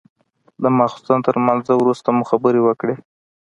د ماخستن تر لمانځه وروسته مو خبرې وكړې.